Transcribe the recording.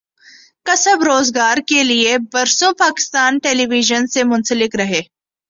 کسبِ روزگارکے لیے برسوں پاکستان ٹیلی وژن سے منسلک رہے